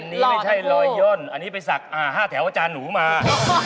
อันนี้ไม่ใช่รอยย่นอันนี้ไปศักดิ์๕แถวอาจารย์หนูมา